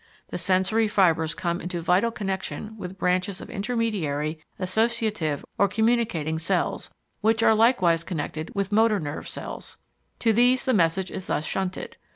The sensory fibres come into vital connection with branches of intermediary, associative, or communicating cells, which are likewise connected with motor nerve cells. To these the message is thus shunted.